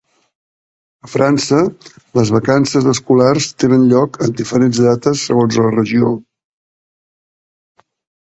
A França, les vacances escolars tenen lloc en diferents dates segons la regió.